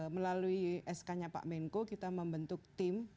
melalui sk nya pak menko kita membentuk tim